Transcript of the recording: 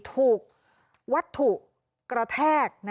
ถูกวัตถุกระแทก